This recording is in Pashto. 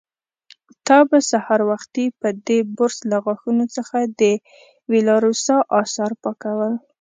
تا به سهار وختي په دې برس له غاښونو څخه د وېلاروسا آثار پاکول.